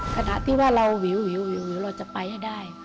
ขณะที่ว่าเราวิวเราจะไปให้ได้